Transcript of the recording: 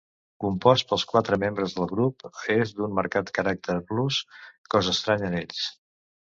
Compost pels quatre membres del grup és d'un marcat caràcter blues, cosa estranya en ells.